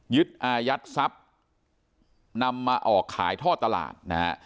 อายัดทรัพย์นำมาออกขายท่อตลาดนะฮะ